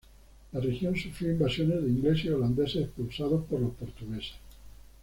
La región sufrió invasiones de ingleses y holandeses, expulsados por los portugueses.